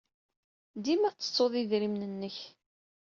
Dima tettettud idrimen-nnek.